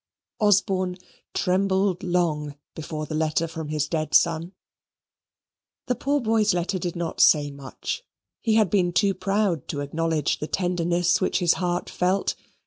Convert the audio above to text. Osborne trembled long before the letter from his dead son. The poor boy's letter did not say much. He had been too proud to acknowledge the tenderness which his heart felt.